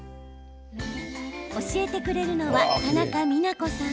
教えてくれるのは田中美奈子さん。